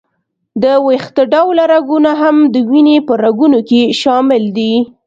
د وېښته ډوله رګونه هم د وینې په رګونو کې شامل دي.